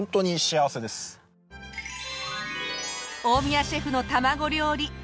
大宮シェフのたまご料理